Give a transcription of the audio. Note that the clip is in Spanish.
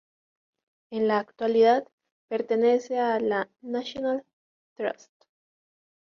En la actualidad, pertenece a la "National Trust".